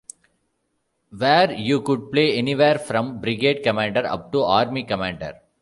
Where you could play anywhere from brigade commander up to army commander.